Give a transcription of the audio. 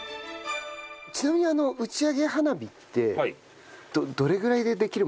ちなみに打ち上げ花火ってどれぐらいでできるものなんですか？